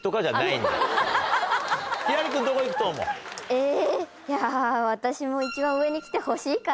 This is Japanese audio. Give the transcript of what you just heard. いや私も一番上に来てほしいかな。